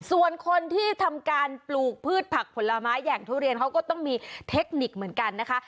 ส่วนคนที่ทำการปลูกพืชผักผลไม้อย่างทุเรียนเขาก็ต้องมีเทคนิคเหมือนกันนะคะ